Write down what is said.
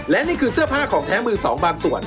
และนี่คือเสื้อผ้าของแท้มือสองบางส่วน